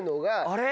あれ？